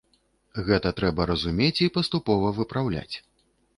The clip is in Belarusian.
Гэта трэба разумець і паступова выпраўляць.